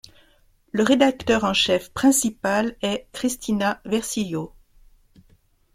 Le rédacteur en chef principal est Cristina Vercillo.